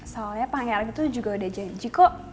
soalnya pangeran itu juga udah janji kok